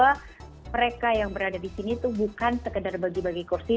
bahwa mereka yang berada di sini itu bukan sekedar bagi bagi kursi